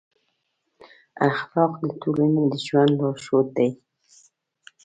اخلاق د ټولنې د ژوند لارښود دي.